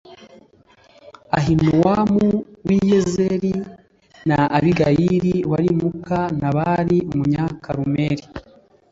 Ahinowamu w’i Yezerēli, na Abigayili wari muka Nabali Umunyakarumeli